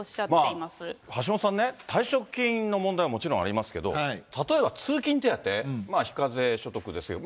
まあ、橋下さんね、退職金の問題はもちろんありますけど、例えば通勤手当、非課税所得ですけど。